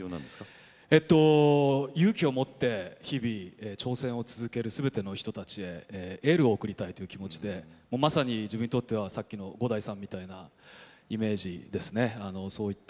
勇気を持って日々挑戦をするすべての人たちへエールを送りたいという気持ちで自分にとっては、さっきの五代さんみたいなイメージですね。